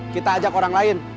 kita ajak orang lain